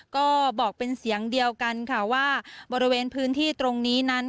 ก็บอกเป็นเสียงเดียวกันค่ะว่าบริเวณพื้นที่ตรงนี้นั้น